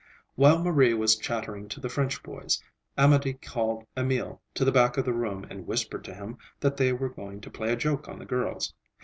While Marie was chattering to the French boys, Amédée called Emil to the back of the room and whispered to him that they were going to play a joke on the girls.